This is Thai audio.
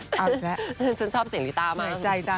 ฉันชอบเสียงลิตามาก